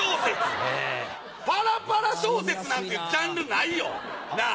⁉パラパラ小説なんていうジャンルないよ？なぁ！